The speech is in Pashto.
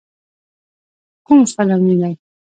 کوم فلم وینئ؟